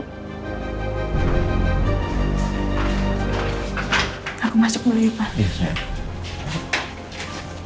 aku masuk dulu ya pak